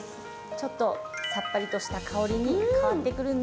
ちょっとさっぱりとした香りに変わってくるのかな？